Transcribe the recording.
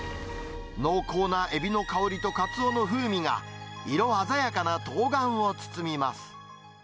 濃厚なエビの香りとカツオの風味が、色鮮やかなトウガンを包みます。